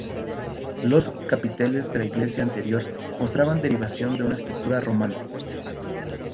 Los capiteles de la iglesia anterior mostraban derivación de una estructura romana.